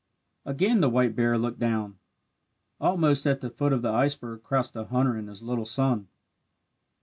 Again the white bear looked down. Almost at the foot of the iceberg crouched a hunter and his little son.